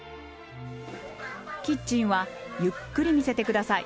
キッチンはゆっくり見せてください。